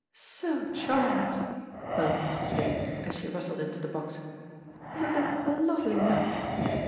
"So charmed,", murmured Mrs. Vane, as she rustled into the box. "Isn't it a lovely night?